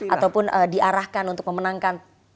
ataupun diarahkan untuk memenangkan sosok tertentu